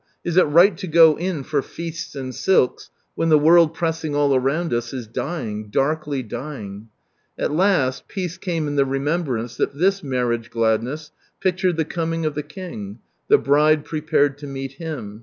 Is it right to go in for feasts and silks, when the world pressing all around us is dying, darkly dying ? At last peace came in the remembrance that this marriage gladness pictured the coming of the King, the Bride prepared to meet Him.